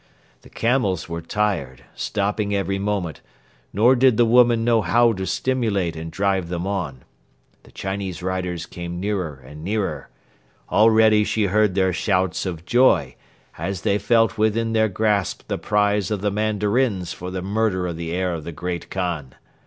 The camels were tired, stopping every moment, nor did the woman know how to stimulate and drive them on. The Chinese riders came nearer and nearer. Already she heard their shouts of joy, as they felt within their grasp the prize of the mandarins for the murder of the heir of the Great Khan.